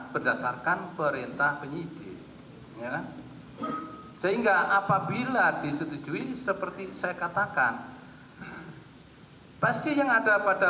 berdasarkan perintah penyidik ya sehingga apabila disetujui seperti saya katakan pasti yang ada pada